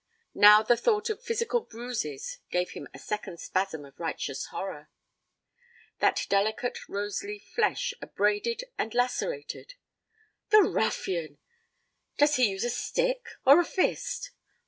Now the thought of physical bruises gave him a second spasm of righteous horror. That delicate rose leaf flesh abraded and lacerated! 'The ruffian! Does he use a stick or a fist?'